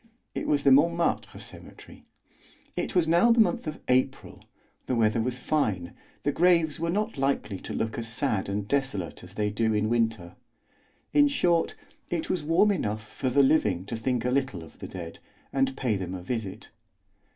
It was the Montmartre Cemetery. It was now the month of April; the weather was fine, the graves were not likely to look as sad and desolate as they do in winter; in short, it was warm enough for the living to think a little of the dead, and pay them a visit.